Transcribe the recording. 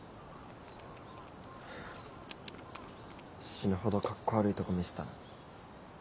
死ぬほどカッコ悪いとこ見せたな。